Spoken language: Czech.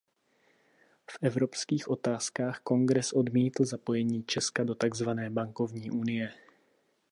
V evropských otázkách kongres odmítl zapojení Česka do takzvané bankovní unie.